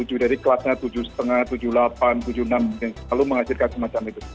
jadi kelasnya tujuh lima tujuh delapan tujuh enam lalu menghasilkan semacam itu